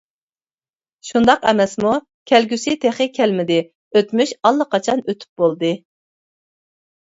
شۇنداق ئەمەسمۇ؟ كەلگۈسى تېخى كەلمىدى، ئۆتمۈش ئاللىقاچان ئۆتۈپ بولدى.